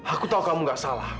aku tahu kamu gak salah